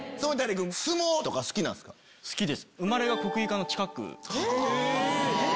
好きです。